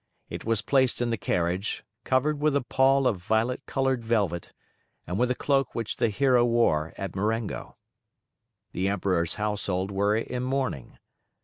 It was placed in the carriage, covered with a pall of violet coloured velvet, and with the cloak which the hero wore at Marengo. The Emperor's household were in mourning.